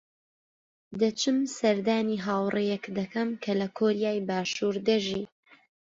دەچم سەردانی هاوڕێیەک دەکەم کە لە کۆریای باشوور دەژی.